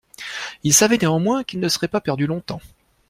Il savait néanmoins qu’il ne serait pas perdu longtemps.